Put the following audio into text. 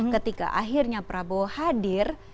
ketika akhirnya prabowo hadir